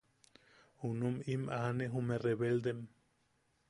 Junum im aane jume rebeldem.